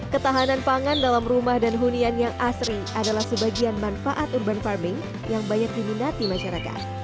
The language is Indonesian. ketahanan pangan dalam rumah dan hunian yang asri adalah sebagian manfaat urban farming yang banyak diminati masyarakat